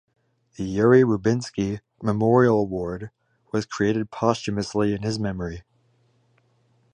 The Yuri Rubinsky Memorial Award was created posthumously in his memory.